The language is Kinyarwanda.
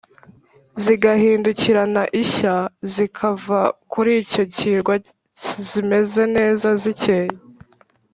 zigahindukirana ishya: zikava kuri icyo kirwa zimeze neza, zikeye